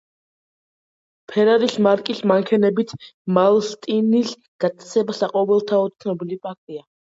ფერარის მარკის მანქანებით მალმსტინის გატაცება საყოველთაოდ ცნობილი ფაქტია.